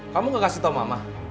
kamu gak kasih tau mama